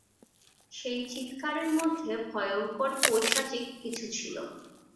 সেই চিৎকারের মধ্যে ভয়ংকর পৈশাচিক কিছু ছিল।